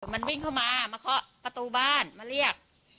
มันวิ่งเข้ามามาเคาะประตูบ้านมาเรียก